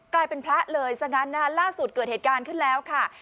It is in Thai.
กลายเป็นพระเลยซะงั้นนะคะล่าสุดเกิดเหตุการณ์ขึ้นแล้วค่ะ